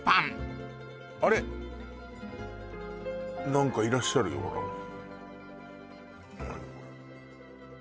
何かいらっしゃるよ何これ？